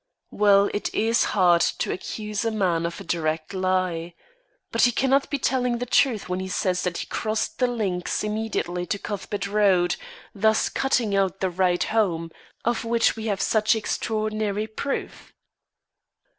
"Well, it is hard to accuse a man of a direct lie. But he cannot be telling the truth when he says that he crossed the links immediately to Cuthbert Road, thus cutting out the ride home, of which we have such extraordinary proof."